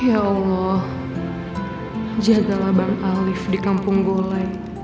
ya allah jadalah bang alif di kampung gole